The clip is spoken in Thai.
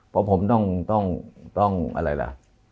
เพราะผมต้องอะไรล่ะ